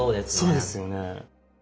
そうですよね。